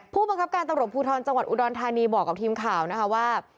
ผู้บังคับการตำรวจภูทรจังหวัดอุดรธานีบอกกับทีมข่าวนะคะว่า